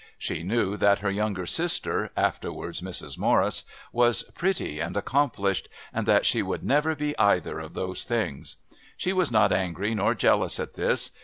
She knew that her younger sister, afterwards Mrs. Morris, was pretty and accomplished, and that she would never be either of those things. She was not angry nor jealous at this.